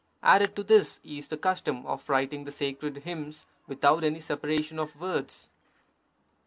Added to this is the custom of writing the sacred hymns without any separation of words.